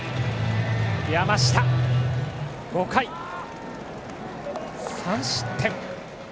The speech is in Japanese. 山下、５回３失点。